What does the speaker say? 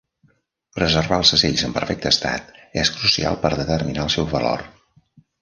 Preservar els segells en perfecte estat és crucial per determinar el seu valor.